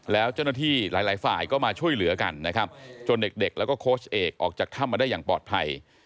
แล้วเจ้าหน้าที่หลายฝ่ายก็มาช่วยเหลือกันนะครับจนเด็กแล้วก็โค้ชเอกออกจากถ้ำมาได้อย่างปลอดภัย